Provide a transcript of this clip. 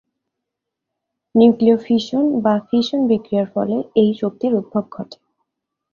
নিউক্লীয় ফিউশন বা ফিশন বিক্রিয়ার ফলে এই শক্তির উদ্ভব ঘটে।